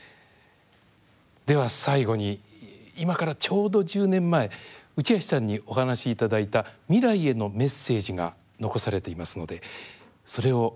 では最後に今からちょうど１０年前内橋さんにお話しいただいた未来へのメッセージが残されていますのでそれをご覧いただきたいと思います。